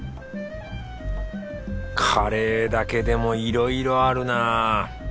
カレーだけでもいろいろあるな。